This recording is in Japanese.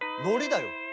のりだよ。